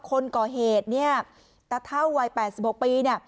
คนก่อเหตุเนี่ยตาเท่าวัย๘๖ปีเนี่ย